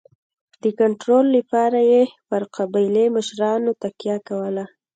د کنټرول لپاره یې پر قبایلي مشرانو تکیه کوله.